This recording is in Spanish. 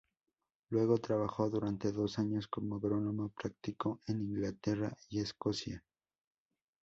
Luego trabajó durante dos años como agrónomo práctico en Inglaterra y Escocia.